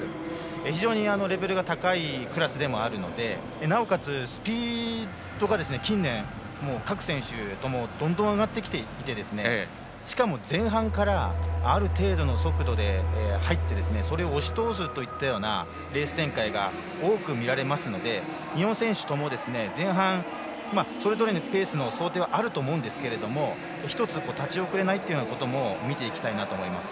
非常にレベルが高いクラスでもあるのでなおかつ、スピードが近年各選手ともどんどん上がってきていてしかも前半からある程度の速度で入ってそれを押し通すといったようなレース展開が多く見られますので日本選手とも前半、それぞれのペースの想定はあると思いますが１つ、立ち遅れないということも見ていきたいと思います。